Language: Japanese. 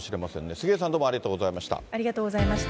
杉上さん、どうもありがとうござありがとうございました。